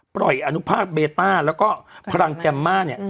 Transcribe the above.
ปล่อยอ่านุภาพเบต้าและพลังแกมมา